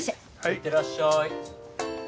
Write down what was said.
いってらっしゃい。